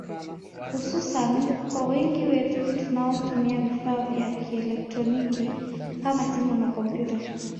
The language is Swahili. hususan kwa wengi wetu tunaotumia vifaa vya kielectroniki kama simu na kompyuta